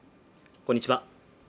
こんにちは